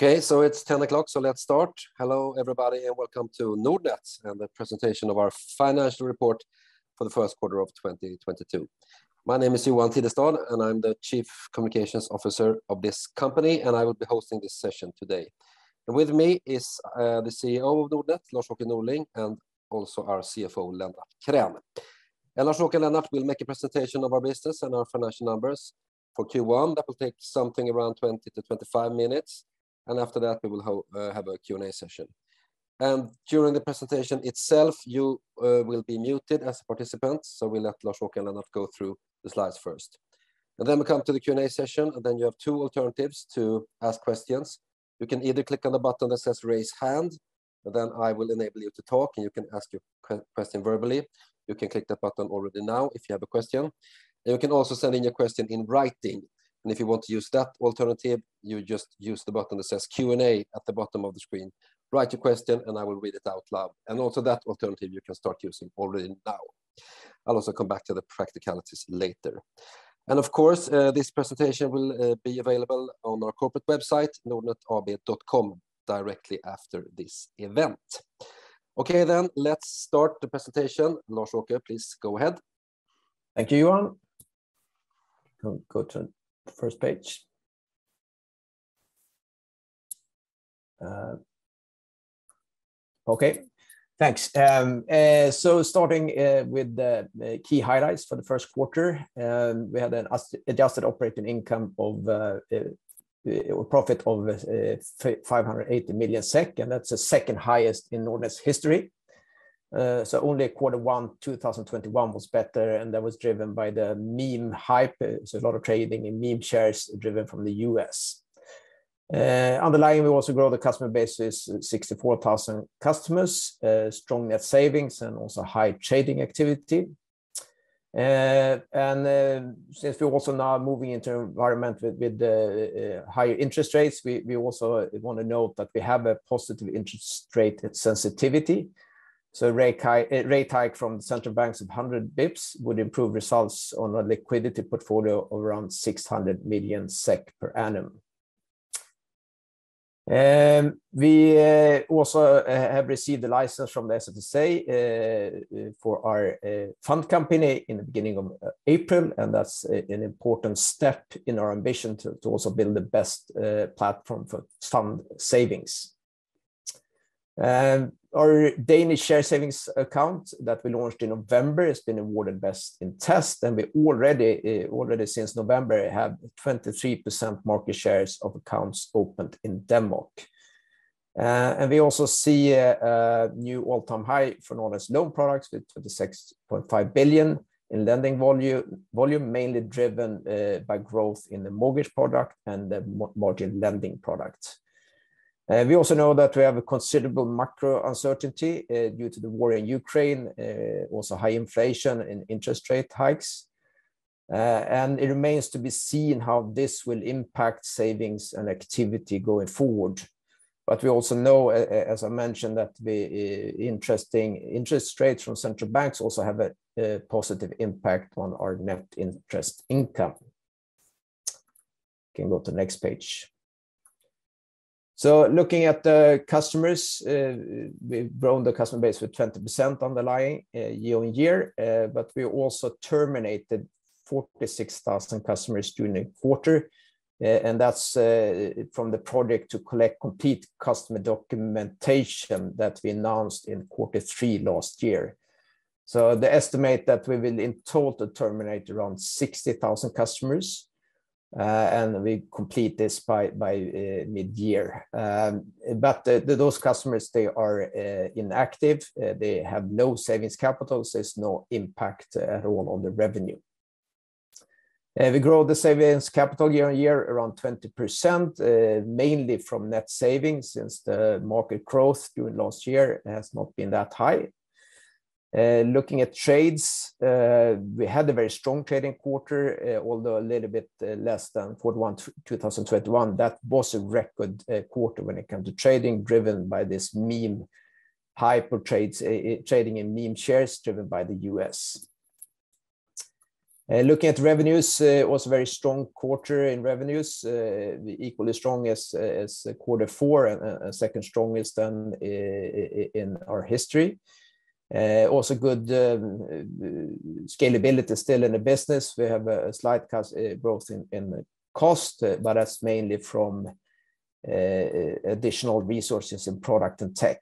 Okay, it's 10:00 A.M., so let's start. Hello, everybody. Welcome to Nordnet and the presentation of our Financial Report for the Q1 of 2022. My name is Johan Tidestad, and I'm the Chief Communications Officer of this company, and I will be hosting this session today. With me is the CEO of Nordnet, Lars-Åke Norling, and also our CFO, Lennart Krän. Lars-Åke and Lennart will make a presentation of our business and our financial numbers for Q1. That will take something around 20-25 minutes, and after that we will have a Q&A session. During the presentation itself, you will be muted as participants, so we'll let Lars-Åke and Lennart go through the slides first. We come to the Q&A session, and then you have two alternatives to ask questions. You can either click on the button that says Raise Hand, and then I will enable you to talk, and you can ask your question verbally. You can click that button already now if you have a question. You can also send in your question in writing, and if you want to use that alternative, you just use the button that says Q&A at the bottom of the screen. Write your question and I will read it out loud. That alternative you can start using already now. I'll also come back to the practicalities later. Of course, this presentation will be available on our corporate website nordnetab.com directly after this event. Okay, let's start the presentation. Lars-Åke, please go ahead. Thank you, Johan. Go to the first page. Okay. Thanks. Starting with the key highlights for the Q1, we had an adjusted operating income of or profit of 580 million SEK, and that's the second highest in Nordnet's history. Only Q1 2021 was better, and that was driven by the meme hype, so a lot of trading in meme shares driven from the US. Underlying we also grow the customer base is 64,000 customers, strong net savings, and also high trading activity. Since we're also now moving into environment with higher interest rates, we also wanna note that we have a positive interest rate sensitivity. Rate hike from central banks of 100 basis points would improve results on a liquidity portfolio of around 600 million SEK per annum. We also have received the license from the SFSA for our fund company in the beginning of April, and that's an important step in our ambition to also build the best platform for fund savings. Our Danish share savings account that we launched in November has been awarded best in test, and we already since November have 23% market shares of accounts opened in Denmark. We also see a new all-time high for Nordnet's loan products with 26.5 billion in lending volume, mainly driven by growth in the mortgage product and the margin lending product. We also know that we have a considerable macro uncertainty, due to the war in Ukraine, also high inflation and interest rate hikes. It remains to be seen how this will impact savings and activity going forward. We also know, as I mentioned, that the higher interest rates from central banks also have a positive impact on our net interest income. Can go to next page. Looking at the customers, we've grown the customer base with 20% underlying, year-on-year, but we also terminated 46,000 customers during the quarter. That's from the project to collect complete customer documentation that we announced in quarter three last year. The estimate that we will in total terminate around 60,000 customers, and we complete this by mid-year. Those customers, they are inactive. They have no savings capital, so it's no impact at all on the revenue. We grow the savings capital year on year around 20%, mainly from net savings since the market growth during last year has not been that high. Looking at trades, we had a very strong trading quarter, although a little bit less than Q1 2021. That was a record quarter when it comes to trading, driven by this meme hype of trades, trading in meme shares driven by the US. Looking at revenues, it was a very strong quarter in revenues, equally strong as quarter four and second strongest in our history. Also good scalability still in the business. We have a slight cost growth in the cost, but that's mainly from additional resources in product and tech.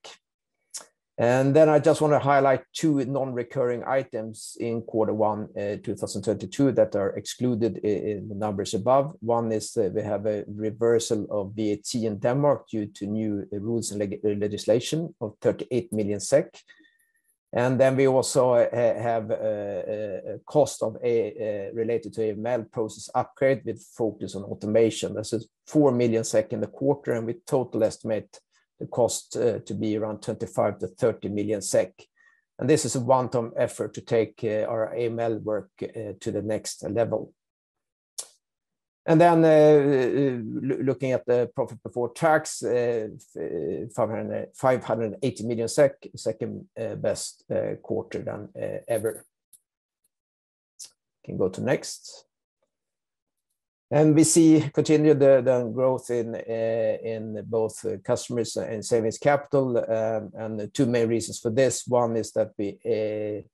I just wanna highlight two non-recurring items in quarter one, 2022 that are excluded in the numbers above. One is, we have a reversal of VAT in Denmark due to new rules and legislation of 38 million SEK. We also have a cost related to AML process upgrade with focus on automation. This is 4 million SEK in the quarter, and we total estimate the cost to be around 25-30 million SEK. This is a one-time effort to take our AML work to the next level. Looking at the profit before tax, SEK 580 million, second best quarter ever. Can go to next. We see continued growth in both customers and savings capital. The two main reasons for this, one is that we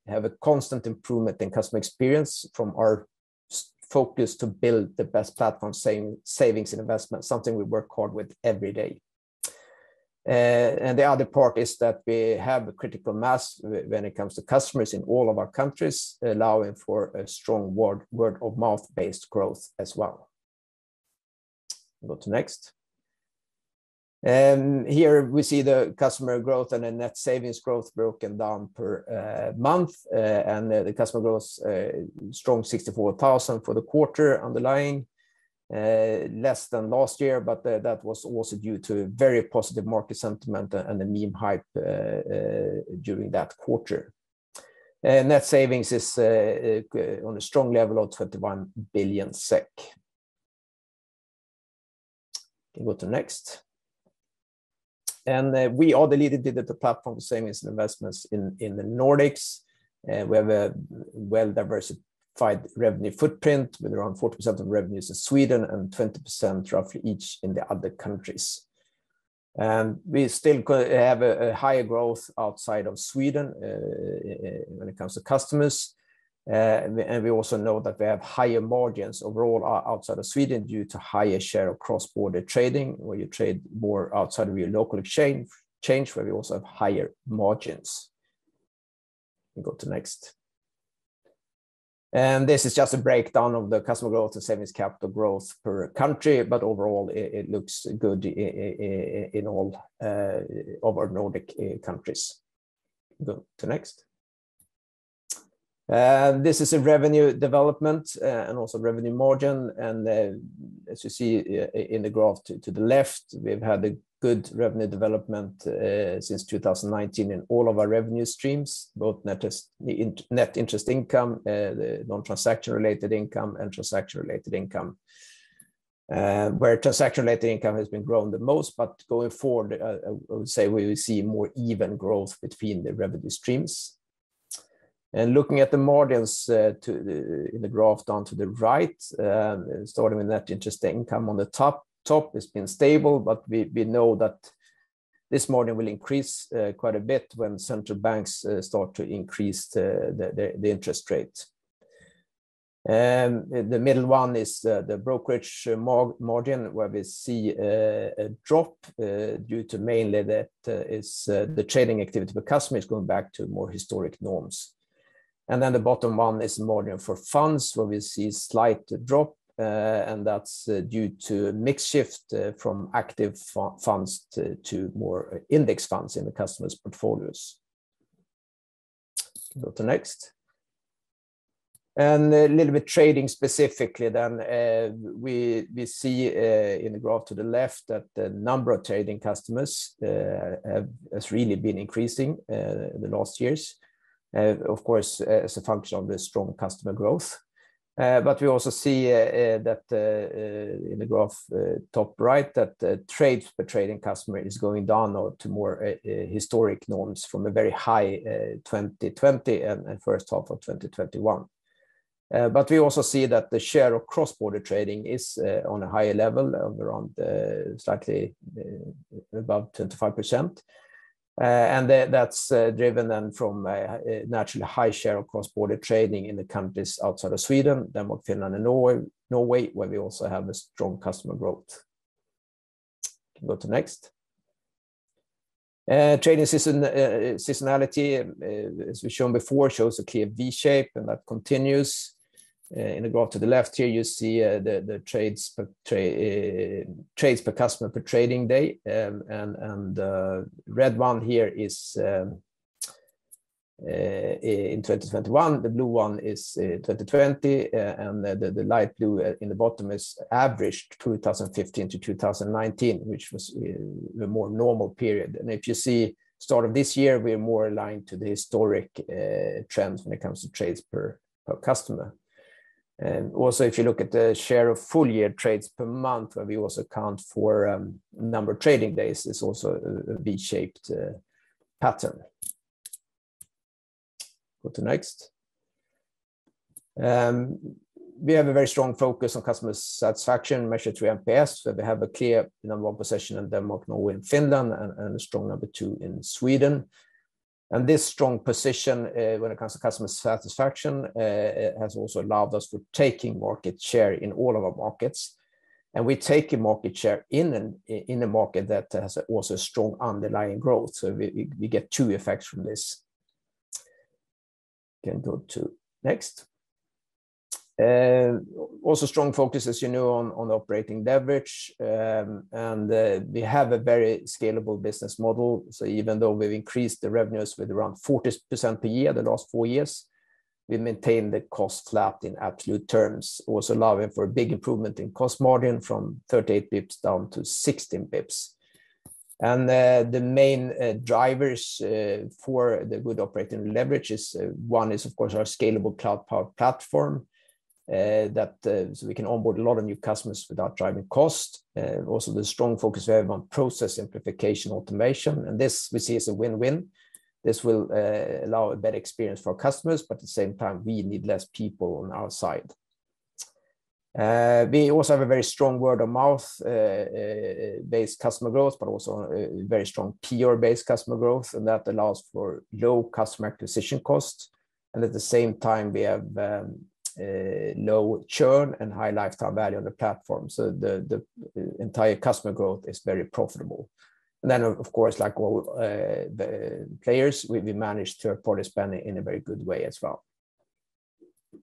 have a constant improvement in customer experience from our focus to build the best platform for savings and investment, something we work hard with every day. The other part is that we have a critical mass when it comes to customers in all of our countries, allowing for a strong word-of-mouth-based growth as well. Go to next. Here we see the customer growth and the net savings growth broken down per month. The customer growth, strong 64,000 for the quarter underlying, less than last year, but that was also due to very positive market sentiment and the meme hype during that quarter. Net savings is on a strong level of 21 billion SEK. Can go to next. We are the leading digital platform for savings and investments in the Nordics. We have a well-diversified revenue footprint with around 40% of revenues in Sweden and 20% roughly each in the other countries. We still have a higher growth outside of Sweden when it comes to customers. We also know that we have higher margins overall outside of Sweden due to higher share of cross-border trading, where you trade more outside of your local exchange, where we also have higher margins. Can go to next. This is just a breakdown of the customer growth and savings capital growth per country, but overall it looks good in all of our Nordic countries. Go to next. This is a revenue development and also revenue margin. As you see in the graph to the left, we've had a good revenue development since 2019 in all of our revenue streams, both net interest income, non-transactional related income, and transaction related income, where transaction related income has been growing the most. Going forward, I would say we will see more even growth between the revenue streams. Looking at the margins, in the graph down to the right, starting with net interest income on the top, it's been stable, but we know that this margin will increase quite a bit when central banks start to increase the interest rates. The middle one is the brokerage margin where we see a drop due to mainly that the trading activity per customer is going back to more historic norms. Then the bottom one is margin for funds, where we see slight drop, and that's due to a mix shift from active funds to more index funds in the customers' portfolios. Go to next. A little bit trading specifically then, we see in the graph to the left that the number of trading customers has really been increasing the last years. Of course, as a function of the strong customer growth. But we also see that in the graph top right, that the trades per trading customer is going down now to more historic norms from a very high 2020 and H1 of 2021. But we also see that the share of cross-border trading is on a higher level of around slightly above 25%. And that that's driven then from a naturally high share of cross-border trading in the countries outside of Sweden, Denmark, Finland, and Norway, where we also have a strong customer growth. Can go to next. Trading seasonality, as we've shown before, shows a clear V shape, and that continues. In the graph to the left here, you see the trades per customer per trading day. Red one here is in 2021, the blue one is 2020, and the light blue in the bottom is average 2015 to 2019, which was the more normal period. If you see start of this year, we are more aligned to the historic trends when it comes to trades per customer. Also, if you look at the share of full year trades per month, where we also account for number of trading days, it's also a V-shaped pattern. Go to next. We have a very strong focus on customer satisfaction measured through NPS, where we have a clear number one position in Denmark, Norway, and Finland and a strong number two in Sweden. This strong position when it comes to customer satisfaction has also allowed us to taking market share in all of our markets. We're taking market share in a market that has also strong underlying growth. We get two effects from this. Can go to next. Also strong focus, as you know, on operating leverage. We have a very scalable business model. Even though we've increased the revenues with around 40% per year the last four years, we maintain the cost flat in absolute terms, also allowing for a big improvement in cost margin from 38 basis points down to 16 basis points. The main drivers for the good operating leverage is one is of course our scalable cloud-powered platform. So we can onboard a lot of new customers without driving cost. Also the strong focus we have on process simplification automation, and this we see as a win-win. This will allow a better experience for our customers, but at the same time, we need less people on our side. We also have a very strong word of mouth based customer growth, but also very strong peer-based customer growth, and that allows for low customer acquisition costs. At the same time we have low churn and high lifetime value on the platform. The entire customer growth is very profitable. Of course like all the players, we manage third-party spending in a very good way as well. You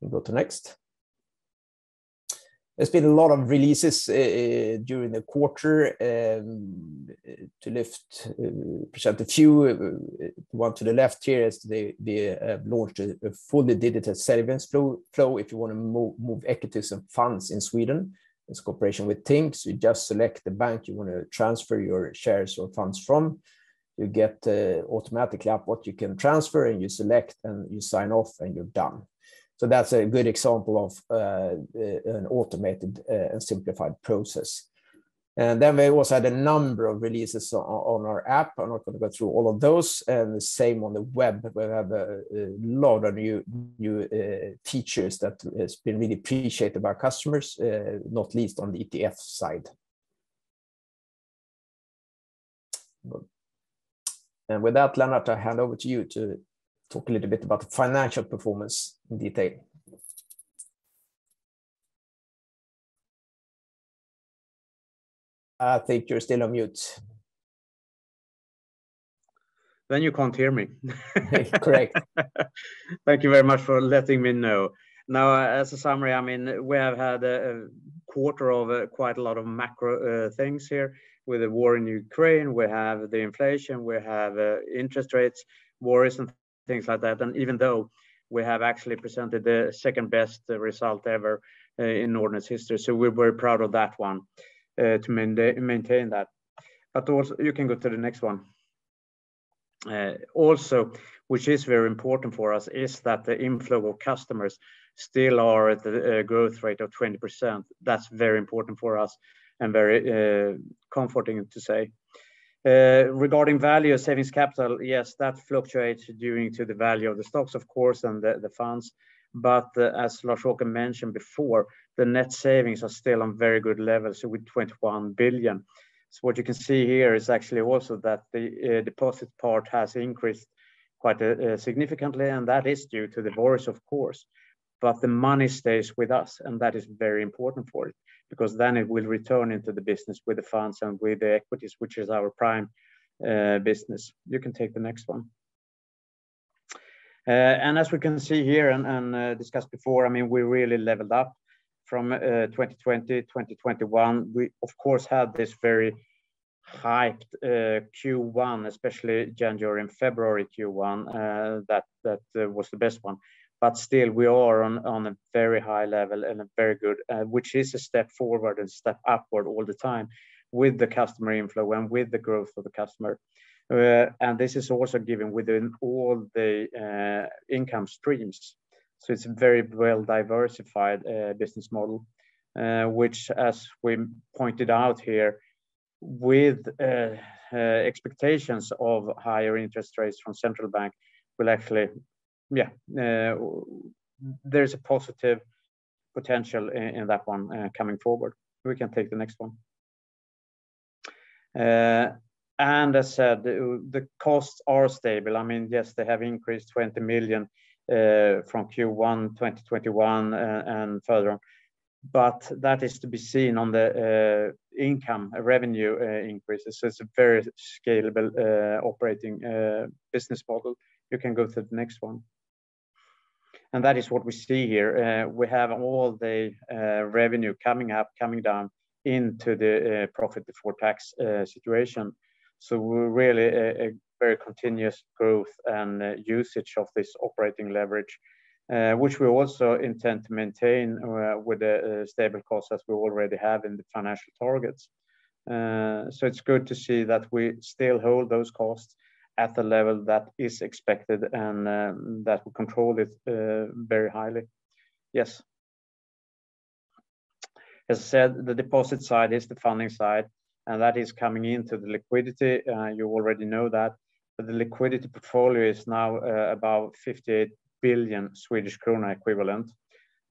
can go to next. There's been a lot of releases during the quarter to present a few. One to the left here is the launch of a fully digital savings flow if you wanna move equities and funds in Sweden. It's cooperation with Tink. You just select the bank you wanna transfer your shares or funds from. You get automatically what you can transfer, and you select, and you sign off, and you're done. That's a good example of an automated and simplified process. We also had a number of releases on our app. I'm not gonna go through all of those. The same on the web. We have a lot of new features that has been really appreciated by our customers, not least on the ETF side. With that Lennart, I hand over to you to talk a little bit about the financial performance in detail. I think you're still on mute. You can't hear me. Great. Thank you very much for letting me know. Now, as a summary, I mean, we have had a quarter of quite a lot of macro things here with the war in Ukraine. We have the inflation. We have interest rates, wars, and things like that. Even though we have actually presented the second-best result ever in Nordnet's history, so we're very proud of that one to maintain that. But also. You can go to the next one. Also, which is very important for us is that the inflow of customers still are at the growth rate of 20%. That's very important for us and very comforting to say. Regarding value of savings capital, yes, that fluctuates due to the value of the stocks, of course, and the funds. As Lars-Åke mentioned before, the net savings are still on very good levels with 21 billion. What you can see here is actually also that the deposit part has increased quite significantly, and that is due to the wars, of course. The money stays with us, and that is very important for it because then it will return into the business with the funds and with the equities, which is our prime business. You can take the next one. As we can see here and discussed before, I mean, we really leveled up from 2020, 2021. We of course had this very hyped Q1, especially January and February Q1. That was the best one. Still we are on a very high level and a very good which is a step forward and step upward all the time with the customer inflow and with the growth of the customer. This is also given within all the income streams, so it's a very well-diversified business model which as we pointed out here with expectations of higher interest rates from central bank will actually. There's a positive potential in that one coming forward. We can take the next one. As said, the costs are stable. I mean, yes, they have increased 20 million from Q1 2021 and further on, but that is to be seen on the income revenue increases. It's a very scalable operating business model. You can go to the next one. That is what we see here. We have all the revenue coming up, coming down into the profit before tax situation. We're really a very continuous growth and usage of this operating leverage, which we also intend to maintain with the stable costs as we already have in the financial targets. It's good to see that we still hold those costs at the level that is expected and that we control it very highly. Yes. As I said, the deposit side is the funding side, and that is coming into the liquidity. You already know that. The liquidity portfolio is now about 58 billion Swedish krona equivalent.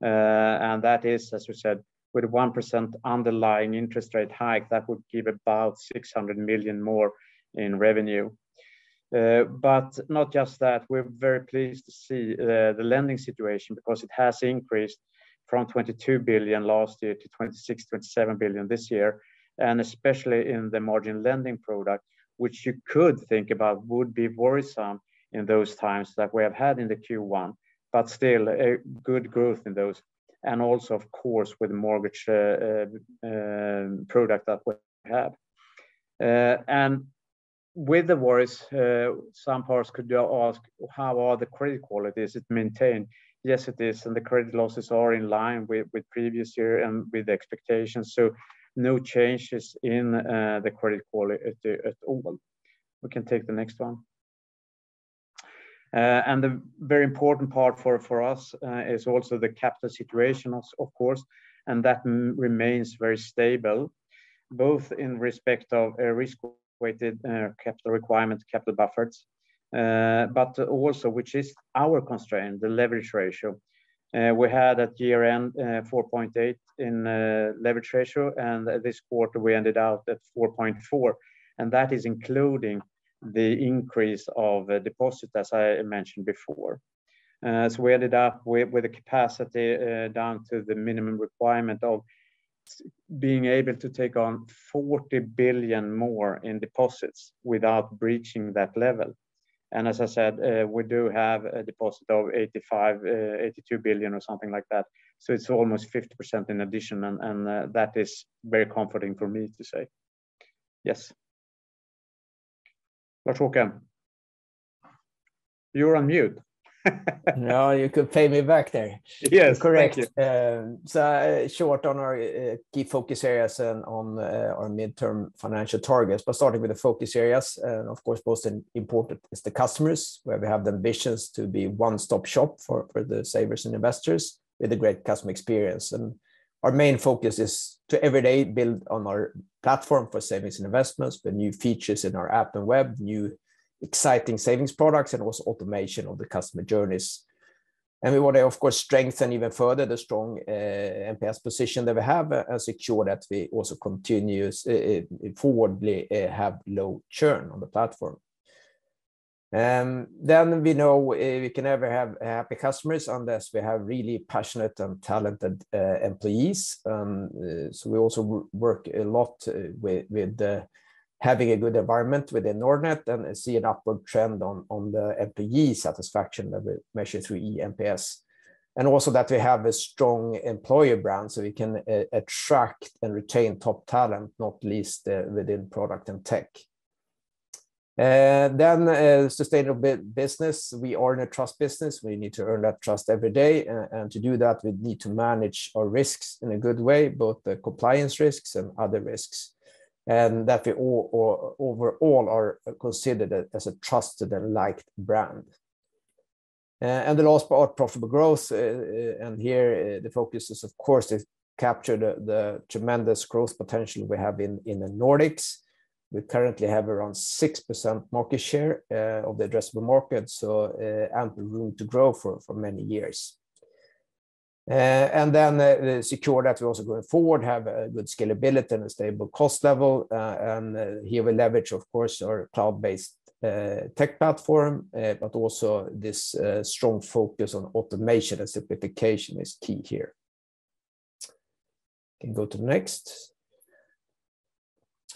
That is, as we said, with 1% underlying interest rate hike, that would give about 600 million more in revenue. Not just that, we're very pleased to see the lending situation because it has increased from 22 billion last year to 26-27 billion this year. especially in the margin lending product, which you could think about would be worrisome in those times that we have had in the Q1. still a good growth in those, and also, of course, with the mortgage product that we have. With the worries, some parties could ask how is the credit quality? Is it maintained? Yes, it is, and the credit losses are in line with previous year and with the expectations. no changes in the credit quality at all. We can take the next one. The very important part for us is also the capital situation of course, and that remains very stable both in respect of a risk-weighted capital requirement, capital buffers, but also which is our constraint, the leverage ratio. We had at year-end 4.8% in leverage ratio, and this quarter we ended up at 4.4%, and that is including the increase in deposits, as I mentioned before. We ended up with the capacity down to the minimum requirement of being able to take on 40 billion more in deposits without breaching that level. \As I said, we do have deposits of 82 billion or something like that. It's almost 50% in addition, and that is very comforting for me to say. Yes. Lars-Åke Norling. You're on mute. No, you could pay me back there. Yes. Thank you. Correct. Short on our key focus areas and on our midterm financial targets, but starting with the focus areas, of course, most important is the customers, where we have the ambitions to be one-stop shop for the savers and investors with a great customer experience. Our main focus is to every day build on our platform for savings and investments with new features in our app and web, new exciting savings products, and also automation of the customer journeys. We want to, of course, strengthen even further the strong NPS position that we have and secure that we also continuously going forward have low churn on the platform. We know we can never have happy customers unless we have really passionate and talented employees. We also work a lot with having a good environment within Nordnet and see an upward trend on the employee satisfaction that we measure through eNPS. Also that we have a strong employer brand, so we can attract and retain top talent, not least within product and tech. Sustainable business. We are in a trust business. We need to earn that trust every day. To do that, we need to manage our risks in a good way, both the compliance risks and other risks, and that we overall are considered as a trusted and liked brand. The last part, profitable growth, and here the focus is, of course, capture the tremendous growth potential we have in the Nordics. We currently have around 6% market share of the addressable market, so ample room to grow for many years. Secure that we're also going forward have a good scalability and a stable cost level. Here we leverage, of course, our cloud-based tech platform, but also this strong focus on automation and simplification is key here. Can go to next.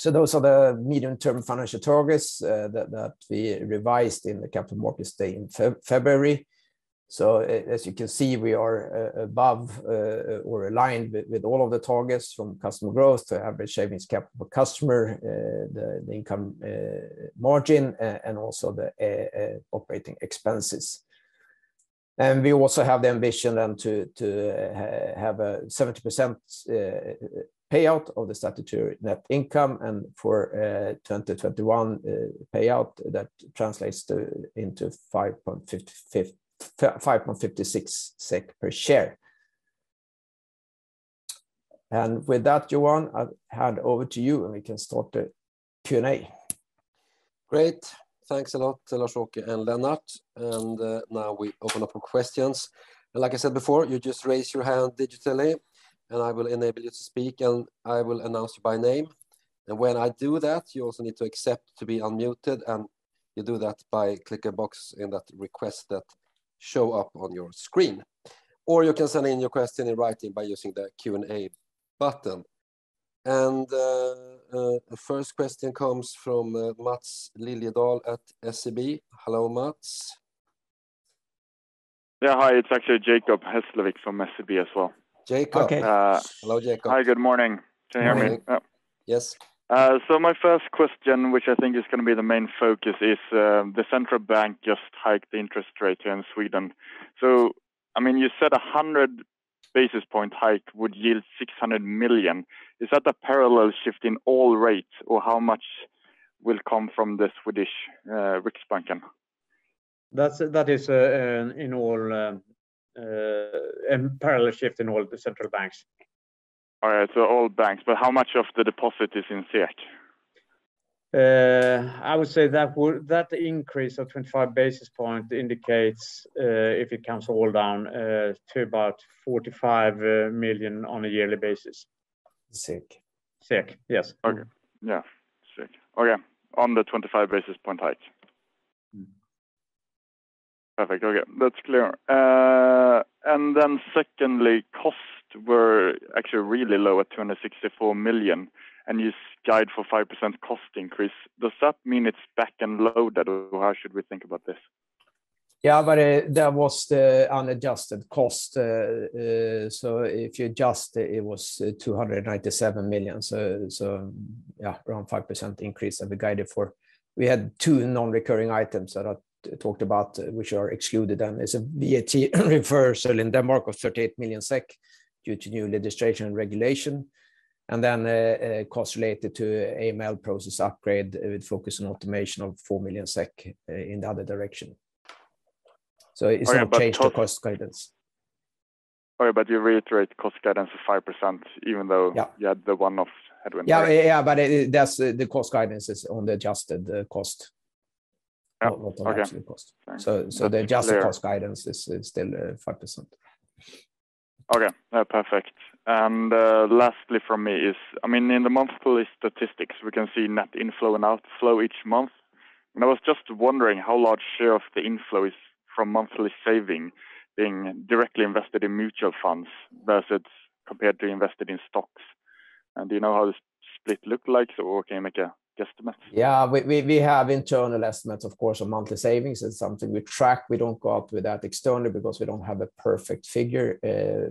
Those are the medium-term financial targets that we revised in the Capital Markets Day in February. As you can see, we are above or aligned with all of the targets from customer growth to average savings capital customer, the income margin, and also the operating expenses. We also have the ambition then to have a 70% payout of the statutory net income and for 2021, payout that translates into 5.56 SEK per share. With that, Johan, I'll hand over to you, and we can start the Q&A. Great. Thanks a lot to Lars-Åke and Lennart. Now we open up for questions. Like I said before, you just raise your hand digitally, and I will enable you to speak, and I will announce you by name. When I do that, you also need to accept to be unmuted, and you do that by click a box in that request that show up on your screen. You can send in your question in writing by using the Q&A button. The first question comes from Mats Liljedahl at SEB. Hello, Mats. Yeah, hi. It's actually Jacob Hesslevik from SEB as well. Jacob. Okay. Hello, Jacob. Hi, good morning. Can you hear me? Morning. Yes. My first question, which I think is gonna be the main focus, is the central bank just hiked the interest rates here in Sweden. I mean, you said a 100 basis point hike would yield 600 million. Is that a parallel shift in all rates or how much will come from the Swedish Riksbank? That is, in all, parallel shift in all the central banks. All right. All banks. How much of the deposit is in SEK? I would say that increase of 25 basis point indicates if it comes all down to about 45 million on a yearly basis. SEK. SEK, yes. Okay. Yeah, SEK. Okay. On the 25 basis point hike. Perfect. Okay. That's clear. Secondly, costs were actually really low at 264 million, and you guide for 5% cost increase. Does that mean it's back-loaded, or how should we think about this? Yeah, that was the unadjusted cost. If you adjust, it was 297 million. Yeah, around 5% increase that we guided for. We had two non-recurring items that I talked about, which are excluded, and it's a VAT reversal in Denmark of 38 million SEK due to new legislation and regulation, and then a cost related to AML process upgrade with focus on automation of 4 million SEK in the other direction. It's- All right. Gonna change the cost guidance. Sorry, but you reiterate cost guidance of 5% even though. Yeah You had the one-off headwind there. Yeah, but it, that's the cost guidance is on the adjusted cost. Oh, okay. Not on the actual cost. The adjusted- That's clear. Cost guidance is still 5%. Okay. Perfect. Lastly from me is, I mean, in the monthly statistics we can see net inflow and outflow each month, and I was just wondering how large share of the inflow is from monthly saving being directly invested in mutual funds versus compared to invested in stocks. Do you know how the split look like, so we can make a guesstimate? Yeah. We have internal estimates, of course, on monthly savings. It's something we track. We don't go out with that externally because we don't have a perfect figure.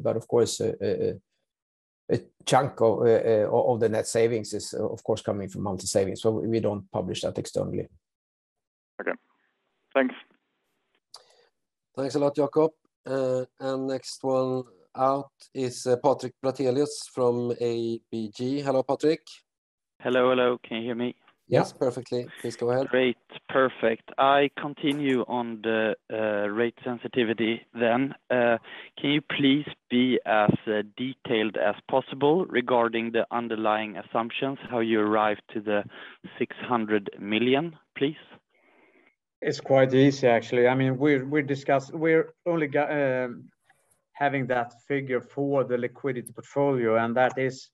Of course, a chunk of the net savings is, of course, coming from monthly savings. We don't publish that externally. Okay. Thanks. Thanks a lot, Jacob. Next one out is Patrik Brattelius from ABG. Hello, Patrik. Hello. Hello. Can you hear me? Yes, perfectly. Please go ahead. Great. Perfect. I continue on the rate sensitivity then. Can you please be as detailed as possible regarding the underlying assumptions, how you arrived to the 600 million, please? It's quite easy actually. I mean, we're only having that figure for the liquidity portfolio, and that is,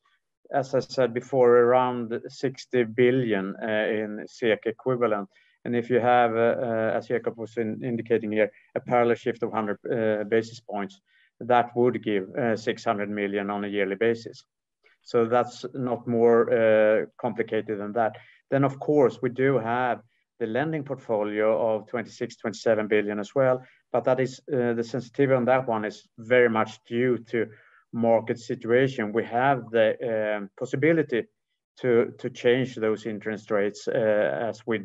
as I said before, around 60 billion equivalent. If you have, as Jacob was indicating here, a parallel shift of 100 basis points, that would give 600 million on a yearly basis. That's not more complicated than that. Of course, we do have the lending portfolio of 26-27 billion as well, but that is, the sensitivity on that one is very much due to market situation. We have the possibility to change those interest rates as we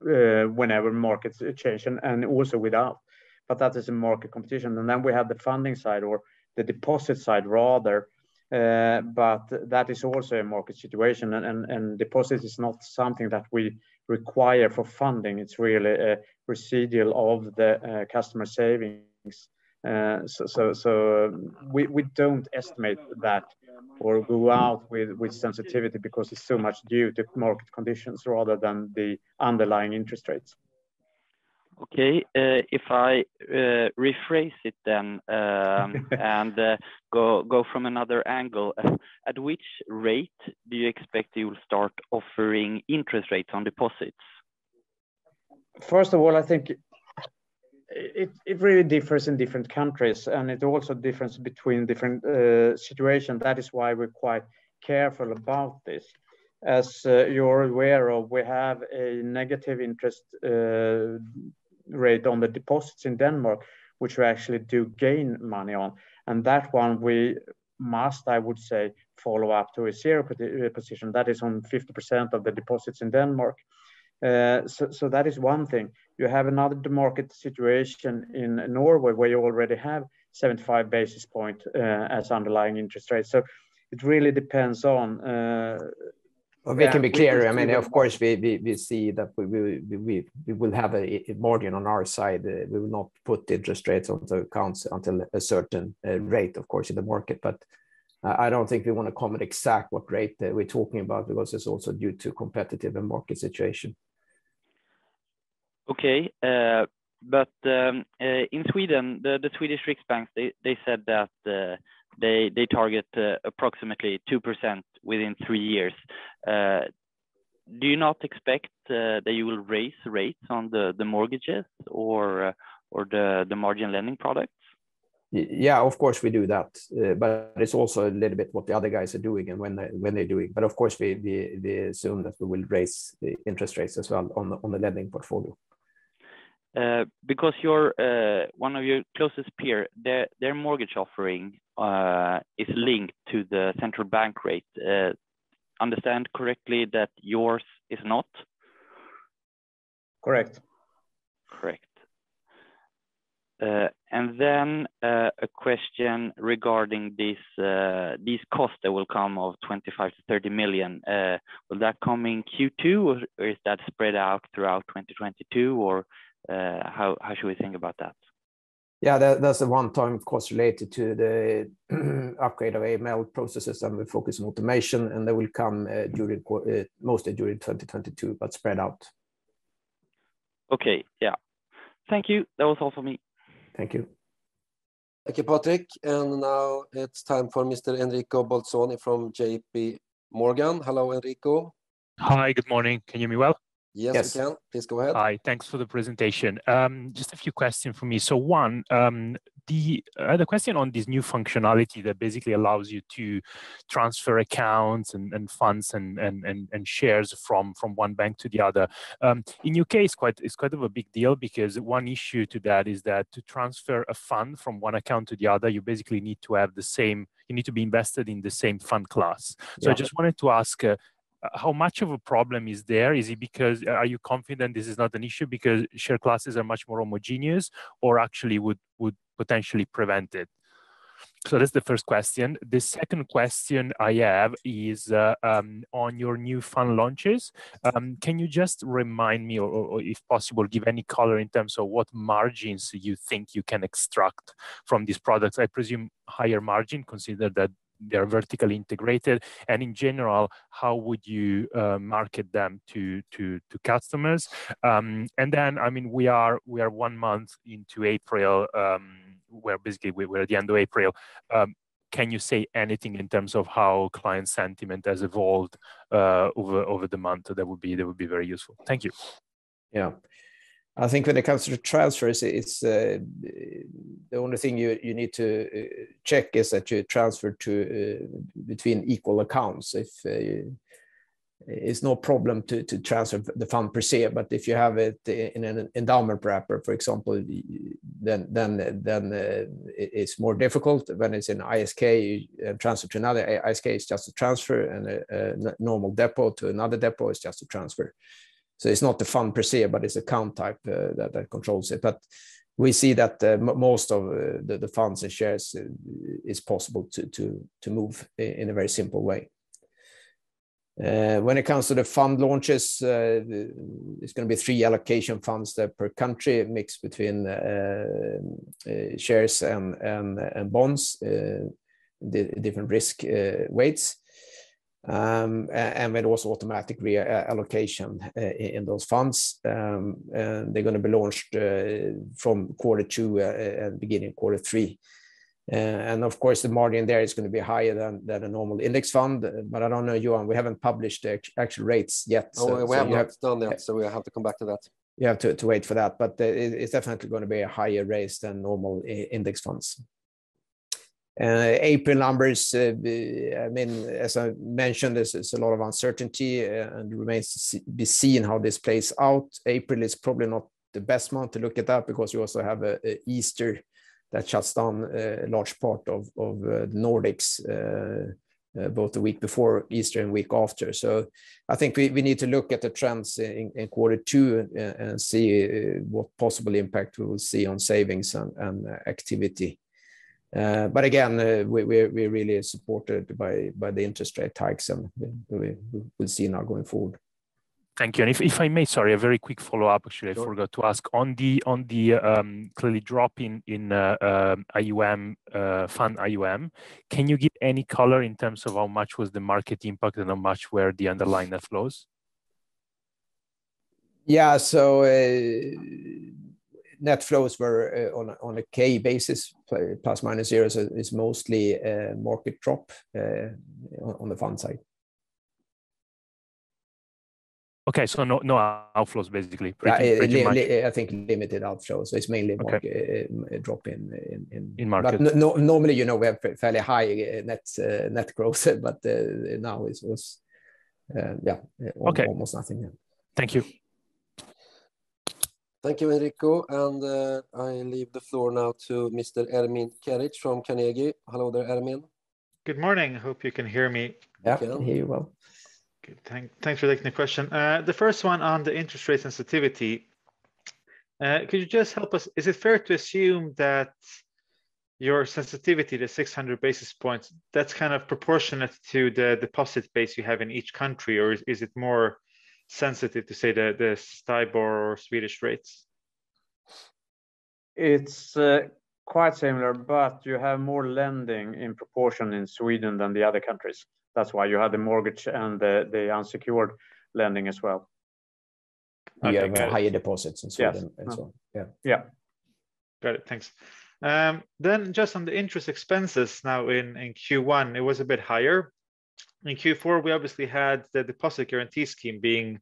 whenever markets change and also without, but that is a market competition. We have the funding side or the deposit side rather. That is also a market situation and deposit is not something that we require for funding. It's really a residual of the customer savings. We don't estimate that or go out with sensitivity because it's so much due to market conditions rather than the underlying interest rates. Okay. If I rephrase it then, and go from another angle, at which rate do you expect you'll start offering interest rates on deposits? First of all, I think it really differs in different countries, and it also differs between different situations. That is why we're quite careful about this. As you're aware of, we have a negative interest rate on the deposits in Denmark, which we actually do gain money on, and that one we must, I would say, follow up to a zero position. That is on 50% of the deposits in Denmark. So that is one thing. You have another market situation in Norway where you already have 75 basis point as underlying interest rates. It really depends on where we need to- Well, we can be clear. I mean, of course we see that we will have a margin on our side. We will not put interest rates on the accounts until a certain rate, of course, in the market, but I don't think we wanna comment exactly what rate we're talking about because it's also due to competitive and market situation. Okay. In Sweden, the Swedish Riksbank, they said that they target approximately 2% within three years. Do you not expect that you will raise rates on the mortgages or the margin lending products? Yeah, of course we do that. It's also a little bit what the other guys are doing and when they're doing. Of course we assume that we will raise the interest rates as well on the lending portfolio. Because one of your closest peer, their mortgage offering is linked to the central bank rate. Do I understand correctly that yours is not? Correct. Correct. A question regarding this, these costs that will come to 25 million-30 million. Will that come in Q2, or is that spread out throughout 2022, or how should we think about that? Yeah, that's a one-time cost related to the upgrade of AML processes and the focus on automation, and that will come during, mostly during 2022 but spread out. Okay. Yeah. Thank you. That was all for me. Thank you. Thank you, Patrick. Now it's time for Mr. Enrico Bolzoni from JPMorgan. Hello, Enrico. Hi. Good morning. Can you hear me well? Yes, we can. Yes. Please go ahead. Hi. Thanks for the presentation. Just a few questions from me. One, the question on this new functionality that basically allows you to transfer accounts and funds and shares from one bank to the other, in your case it's quite a big deal because one issue to that is that to transfer a fund from one account to the other, you basically need to have the same. You need to be invested in the same fund class. Yeah. I just wanted to ask, how much of a problem is there? Is it because? Are you confident this is not an issue because share classes are much more homogeneous or actually would potentially prevent it? That's the first question. The second question I have is on your new fund launches. Can you just remind me or if possible, give any color in terms of what margins you think you can extract from these products? I presume higher margin, consider that they are vertically integrated. In general, how would you market them to customers? I mean, we are one month into April. We're at the end of April. Can you say anything in terms of how client sentiment has evolved over the month? That would be very useful. Thank you. Yeah. I think when it comes to transfers, it's the only thing you need to check is that you transfer to between equal accounts. It's no problem to transfer the fund per se, but if you have it in an endowment wrapper, for example, then it's more difficult when it's an ISK transfer to another ISK. It's just a transfer and a normal depot to another depot is just a transfer. It's not the fund per se, but it's account type that controls it. We see that most of the funds and shares is possible to move in a very simple way. When it comes to the fund launches, there's gonna be three allocation funds per country mixed between shares and bonds, different risk weights, and with also automatic reallocation in those funds. They're gonna be launched from quarter two at the beginning of quarter three. Of course, the margin there is gonna be higher than a normal index fund. I don't know, Johan, we haven't published the actual rates yet. Oh, we haven't done that, so we have to come back to that. You have to wait for that, but it's definitely gonna be higher rates than normal in index funds. April numbers, I mean, as I mentioned, there's a lot of uncertainty and remains to be seen how this plays out. April is probably not the best month to look it up because you also have Easter that shuts down a large part of the Nordics both the week before Easter and week after. I think we really are supported by the interest rate hikes and we will see now going forward. Thank you. If I may, sorry, a very quick follow-up. Actually, I forgot to ask on the clear drop in fund AUM. Can you give any color in terms of how much was the market impact and how much were the underlying net flows? Net flows were on a Q basis, ±0. It's mostly market drop on the fund side. Okay. No, no outflows, basically. Pretty much. I think limited outflows. It's mainly market drop in. In market Normally, you know, we have fairly high net growth, but now it was, yeah, almost nothing. Okay. Thank you. Thank you, Enrico. I leave the floor now to Mr. Ermin Keric from Carnegie. Hello there, Ermin. Good morning. Hope you can hear me well. Yeah, I can hear you well. Good. Thanks for taking the question. The first one on the interest rate sensitivity, could you just help us? Is it fair to assume that your sensitivity to 600 basis points, that's kind of proportionate to the deposit base you have in each country, or is it more sensitive to say the STIBOR or Swedish rates? It's quite similar, but you have more lending in proportion in Sweden than the other countries. That's why you have the mortgage and the unsecured lending as well. We have higher deposits in Sweden and so on. Yes. Yeah. Got it. Thanks. Just on the interest expenses now in Q1, it was a bit higher. In Q4, we obviously had the deposit guarantee scheme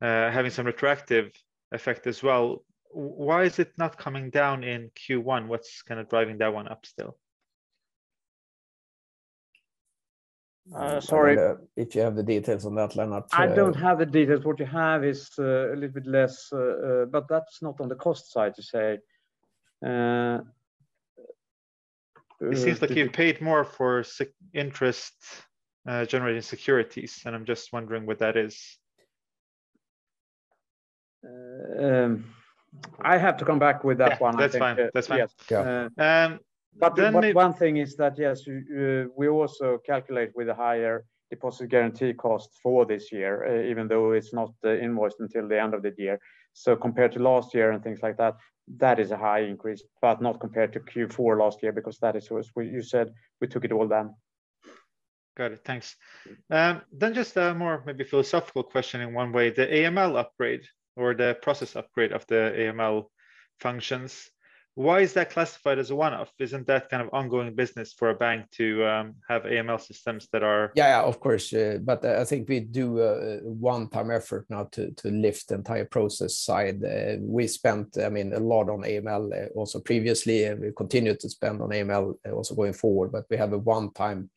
having some retroactive effect as well. Why is it not coming down in Q1? What's kinda driving that one up still? Sorry. If you have the details on that, Lennart. I don't have the details. What you have is a little bit less, but that's not on the cost side to say. It seems like you paid more for interest-generating securities, and I'm just wondering what that is? I have to come back with that one. Yeah, that's fine. That's fine. Yes. Yeah. Um, then it- One thing is that, yes, we also calculate with a higher deposit guarantee cost for this year, even though it's not invoiced until the end of the year. Compared to last year and things like that is a high increase, but not compared to Q4 last year because that is what you said, we took it all down. Got it. Thanks. Just a more maybe philosophical question in one way, the AML upgrade or the process upgrade of the AML functions, why is that classified as a one-off? Isn't that kind of ongoing business for a bank to have AML systems that are- Yeah, of course. I think we do a one-time effort now to lift the entire process side. We spent, I mean, a lot on AML also previously, and we continue to spend on AML also going forward. We have a one-time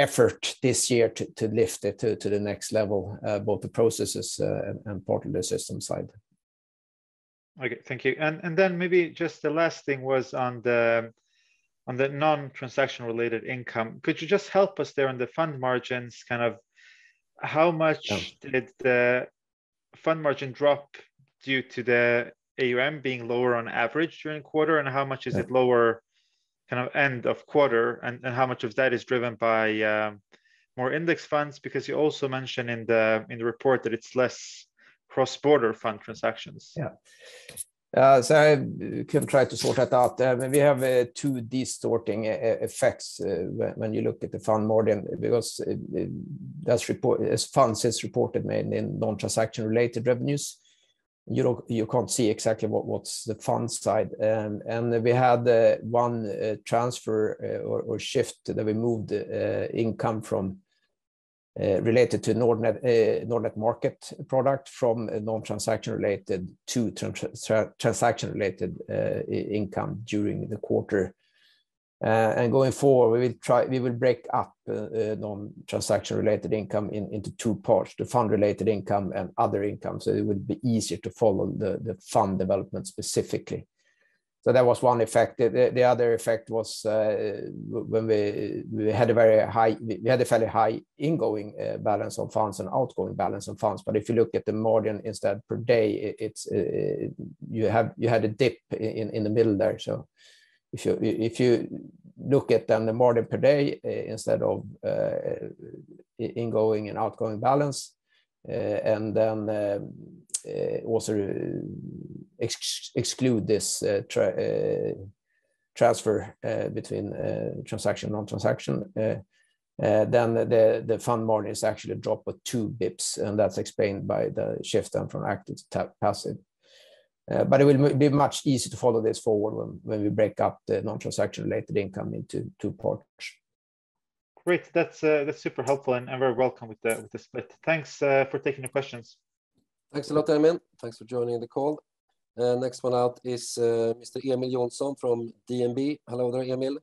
effort this year to lift it to the next level, both the processes, and part of the system side. Okay, thank you. Maybe just the last thing was on the non-transaction related income. Could you just help us there on the fund margins, kind of how much did the fund margin drop due to the AUM being lower on average during quarter, and how much is it lower kind of end of quarter, and how much of that is driven by more index funds? Because you also mention in the report that it's less cross-border fund transactions. Yeah. I can try to sort that out. We have two distorting effects when you look at the fund margin because it's reported. As funds is reported mainly in non-transaction related revenues, you can't see exactly what's the fund side. We had the one transfer or shift that we moved income from related to Nordnet Markets product from a non-transaction related to transaction related income during the quarter. Going forward we will break up non-transaction related income into two parts, the fund related income and other income, so it would be easier to follow the fund development specifically. That was one effect. The other effect was when we had a very high. We had a fairly high incoming balance of funds and outgoing balance of funds, but if you look at the margin instead per day, it's you had a dip in the middle there. If you look at the margin per day instead of incoming and outgoing balance and then also exclude this transfer between transaction non-transaction, then the fund margin is actually dropped with 2 basis points and that's explained by the shift then from active to passive. It will be much easier to follow this forward when we break up the non-transaction related income into two parts. Great. That's super helpful and very welcome with the split. Thanks for taking the questions. Thanks a lot, Emil. Thanks for joining the call. The next one out is, Mr. Emil Jonsson from DNB. Hello there, Emil.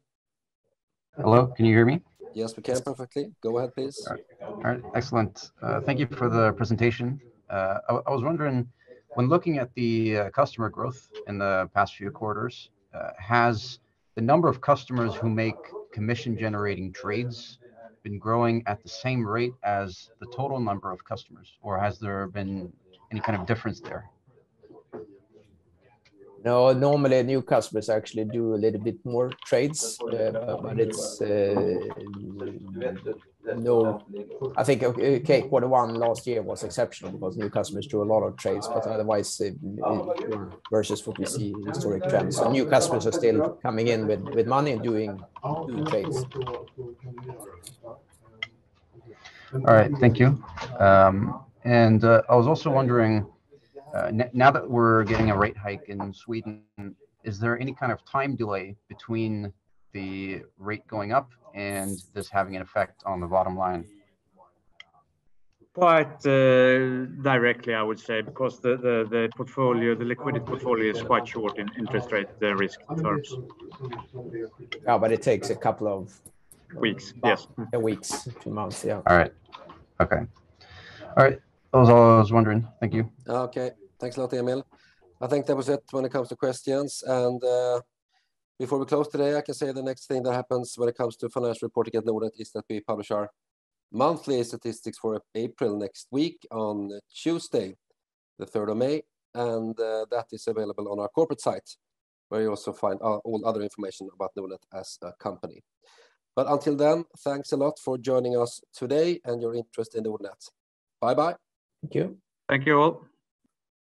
Hello, can you hear me? Yes, we can perfectly. Go ahead, please. All right. Excellent. Thank you for the presentation. I was wondering when looking at the customer growth in the past few quarters, has the number of customers who make commission generating trades been growing at the same rate as the total number of customers, or has there been any kind of difference there? No. Normally new customers actually do a little bit more trades. But I think Q1 last year was exceptional because new customers do a lot of trades, but otherwise it versus what we see in historical trends. New customers are still coming in with money and doing good trades. All right. Thank you. I was also wondering, now that we're getting a rate hike in Sweden, is there any kind of time delay between the rate going up and this having an effect on the bottom line? Quite directly I would say because the portfolio, the liquidity portfolio is quite short in interest rate risk terms. Yeah, but it takes a couple of- Weeks. Yes weeks to months. Yeah. All right. Okay. All right. That was all I was wondering. Thank you. Okay. Thanks a lot, Emil. I think that was it when it comes to questions and before we close today I can say the next thing that happens when it comes to financial reporting at Nordnet is that we publish our monthly statistics for April next week on Tuesday, the 3rd of May, and that is available on our corporate site where you also find all other information about Nordnet as a company. Until then, thanks a lot for joining us today and your interest in Nordnet. Bye-bye. Thank you. Thank you all.